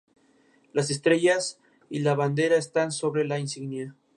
Las estrellas y la bandera están sobre la insignia.